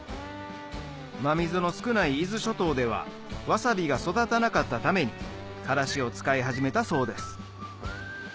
真水の少ない伊豆諸島ではワサビが育たなかったためにカラシを使い始めたそうです